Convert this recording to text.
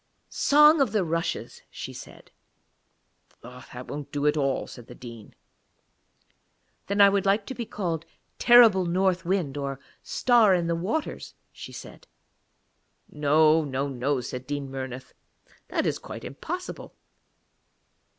'Song of the Rushes,' she said. 'That won't do at all,' said the Dean. 'Then I would like to be called Terrible North Wind, or Star in the Waters,' she said. 'No, no, no,' said Dean Murnith; 'that is quite impossible.